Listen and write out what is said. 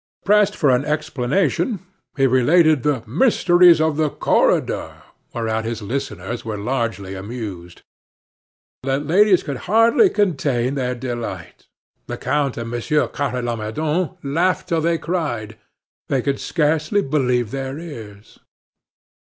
Pressed for an explanation, he related the "mysteries of the corridor," whereat his listeners were hugely amused. The ladies could hardly contain their delight. The count and Monsieur Carre Lamadon laughed till they cried. They could scarcely believe their ears.